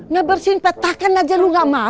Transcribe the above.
ngebersihin patahkan aja lu gak mau